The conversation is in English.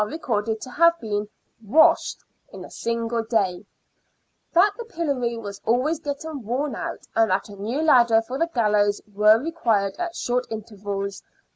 recorded to have been " washed " in a single day, that the pillory was always getting worn out, and that a new ladder for the gallows was required at short intervals.